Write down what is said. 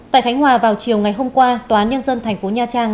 tại khánh hòa vào chiều ngày hôm qua tòa án nhân dân tp nha trang